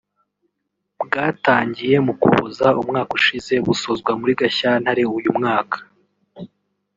bwatangiye mu Kuboza umwaka ushize busozwa muri Gashyantare uyu mwaka